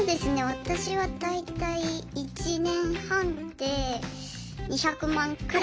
私は大体１年半で２００万くらい。